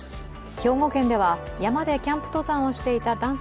兵庫県では山でキャンプ登山をしていた男性